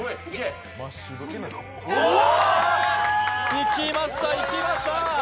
いきました、いきました。